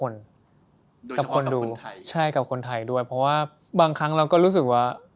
คนกับคนดูใช่กับคนไทยด้วยเพราะว่าบางครั้งเราก็รู้สึกว่า